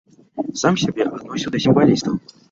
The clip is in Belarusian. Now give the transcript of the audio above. Сам сябе адносіў да сімвалістаў.